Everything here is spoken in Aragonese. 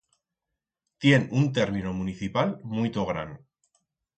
Tien un termino municipal muito gran.